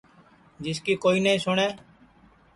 جس کی کوئی نائی سُٹؔے